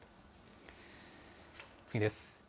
次です。